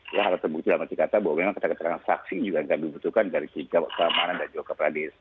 alat alat bukti yang masih kata bahwa memang kata kata terang saksi juga tidak dibutuhkan dari kijabat samaran dan jogja pradesh